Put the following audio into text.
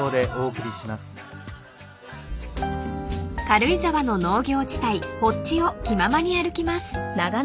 ［軽井沢の農業地帯発地を気ままに歩きます］